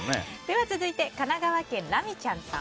続いて、神奈川県の方。